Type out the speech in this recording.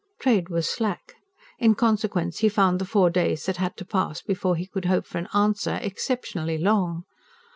Trade was slack; in consequence he found the four days that had to pass before he could hope for an answer exceptionally long.